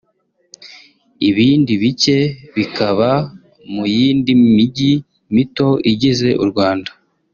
ibindi bike bikaba mu yindi mijyi mito igize u Rwanda